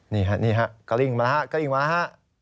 นี่ฮะนี่ฮะกะลิ้งมาแล้วฮะกะลิ้งมาฮะ